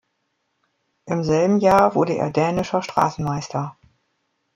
Im selben Jahr wurde er dänischer Straßenmeister.